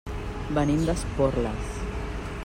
Venim d'Esporles.